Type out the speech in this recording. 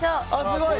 すごい。